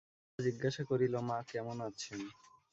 গোরা জিজ্ঞাসা করিল, মা কেমন আছেন?